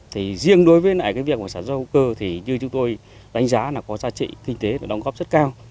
thì riêng đối với cái việc sản xuất rau hiệu cư thì như chúng tôi đánh giá là có giá trị kinh tế đóng góp rất cao